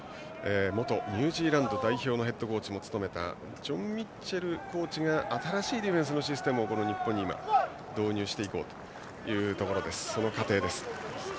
元ニュージーランド代表のヘッドコーチも務めたジョン・ミッチェルコーチが新しいディフェンスのシステムを日本に導入していこうというところその過程です。